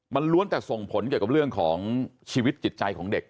มันล้วนแต่ส่งผลเกี่ยวกับเรื่องของชีวิตจิตใจของเด็ก